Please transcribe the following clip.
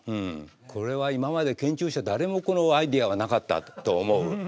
これは今まで研究者誰もこのアイデアはなかったと思う。